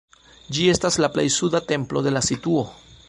Ĝi estas la plej suda templo de la situo.